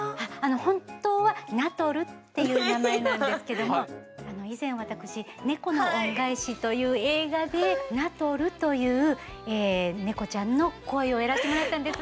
本当はナトルっていう名前なんですけども以前私「猫の恩返し」という映画でナトルという猫ちゃんの声をやらしてもらったんです。